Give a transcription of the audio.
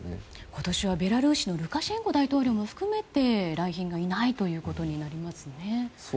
今年はベラルーシのルカシェンコ大統領も含めて来賓がいないということになりますね。